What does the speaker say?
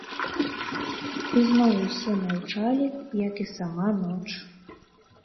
Ізноў усе маўчалі, як і сама ноч.